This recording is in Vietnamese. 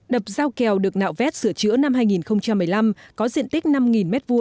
đập dao kèo được nạo vét sửa chữa năm hai nghìn một mươi năm có diện tích năm m hai